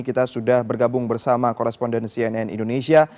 kita sudah bergabung bersama koresponden cnn indonesia